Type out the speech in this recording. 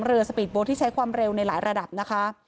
สปีดโบ๊ทที่ใช้ความเร็วในหลายระดับนะคะ